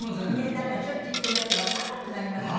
だからしょっちゅう行っていないとわからなくなりますよね。